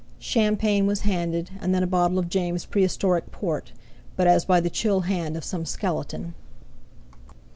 Champagne was handed, and then a bottle of James' prehistoric port, but as by the chill hand of some skeleton.